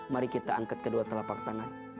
mari kita angkat kedua telapak tangan